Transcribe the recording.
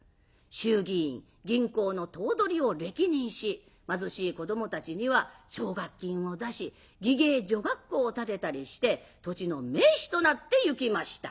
衆議院銀行の頭取を歴任し貧しい子どもたちには奨学金を出し技芸女学校を建てたりして土地の名士となってゆきました。